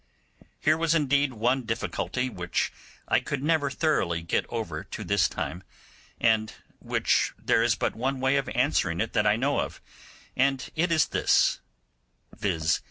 Here was indeed one difficulty which I could never thoroughly get over to this time, and which there is but one way of answering that I know of, and it is this, viz.